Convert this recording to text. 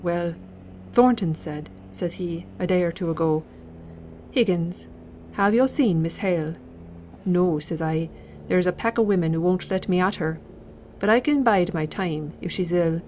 "Well! Thornton said says he, a day or two ago, 'Higgins, have yo' seen Miss Hale?' 'No,' says I; 'there's a pack o' women who won't let me at her. But I can bide my time, if she's ill.